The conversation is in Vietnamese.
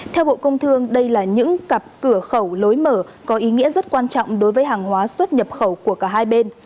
theo bộ công thương đây là những cặp cửa khẩu lối mở có ý nghĩa rất quan trọng đối với hàng hóa xuất nhập khẩu của cả hai bên